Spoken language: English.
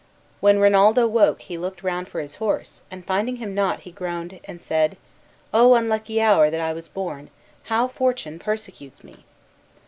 When Rinaldo woke he looked round for his horse, and, finding him not, he groaned, and said, "O unlucky hour that I was born! how fortune persecutes me!"